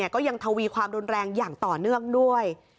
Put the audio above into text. ก็ยังทวีความรุนแรงอย่างต่อเนื่องด้วย